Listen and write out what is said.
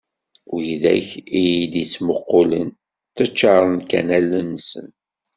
Wid akk iyi-d-ittmuqulen ttaččaren kan allen-nsen.